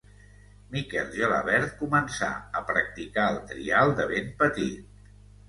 Miquel Gelabert començà a practicar el trial de ben petit.